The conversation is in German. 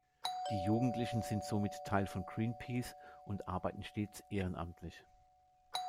Die Jugendlichen sind somit Teil von Greenpeace und arbeiten stets ehrenamtlich.